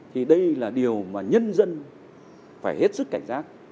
thì đây là điều mà nhân dân phải hết sức cảnh giác